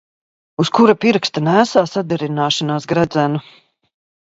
Uz kura pirksta nēsā saderināšānās gredzenu?